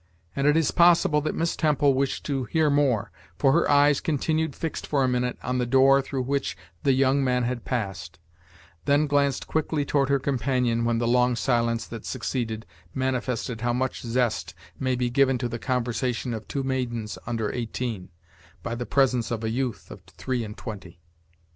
And it is possible that Miss Temple wished to hear more, for her eyes continued fixed for a minute on the door through which the young man had passed, then glanced quickly toward her companion, when the long silence that succeeded manifested how much zest may be given to the conversation of two maidens under eighteen, by the presence of a youth of three and twenty.